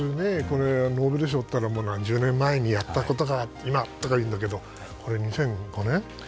ノーベル賞っていったら何十年前にやったことが今とかいうんだけどこれは、２００５年？